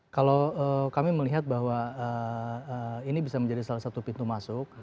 kalau kami melihat bahwa ini bisa menjadi salah satu pintu masuk